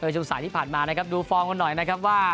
ช่วงสายที่ผ่านมานะครับดูฟอร์มกันหน่อยนะครับว่า